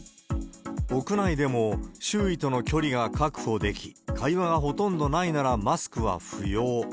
屋内でも、周囲との距離が確保でき、会話がほとんどないならマスクは不要。